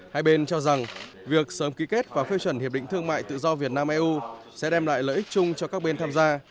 hai bên cho rằng việc sớm ký kết và phê chuẩn hiệp định thương mại tự do việt nam eu sẽ đem lại lợi ích chung cho các bên tham gia